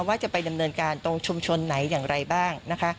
ว่าจะไปดำเนินการตรงชุมชนไหนอย่างไรบ้างนะคะ